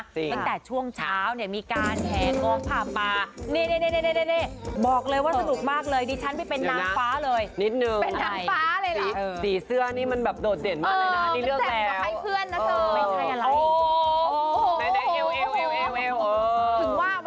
ตั้งแต่ช่วงเช้ามีกลานแฮง็อคผ้าป่า